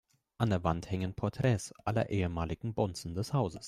An der Wand hängen Porträts aller ehemaligen Bonzen des Hauses.